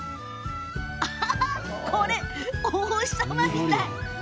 こちらはお星様みたい。